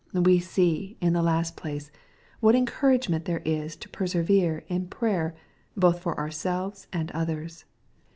We see, in the last place, what encouragement there is to persevere in prayer, both for ourselves and others.